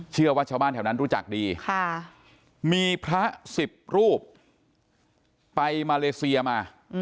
ชาวบ้านแถวนั้นรู้จักดีมีพระสิบรูปไปมาเลเซียมา